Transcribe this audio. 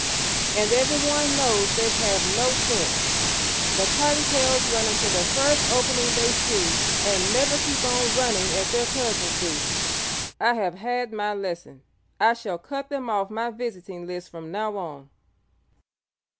"And everyone knows they have no sense. The Cottontails run into the first opening they see and never keep on running as their cousins do. I have had my lesson. I shall cut them off my visiting list from now on."